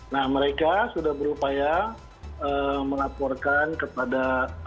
nah mereka sudah berupaya melaporkan kepada